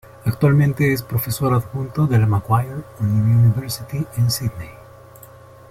Actualmente es profesor adjunto de la Macquarie University, en Sídney.